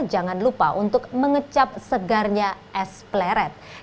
jangan lupa untuk mengecap segarnya es pleret